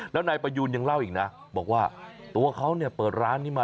แล้วนายประยูนยังเล่าอีกนะบอกว่าตัวเขาเนี่ยเปิดร้านนี้มา